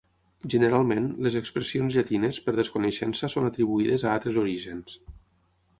Generalment, les expressions llatines, per desconeixença són atribuïdes a altres orígens.